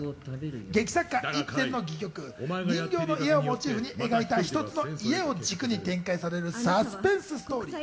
劇作家イプセンの戯曲『人形の家』をモチーフに描いた一つの家を軸に展開されるサスペンスストーリー。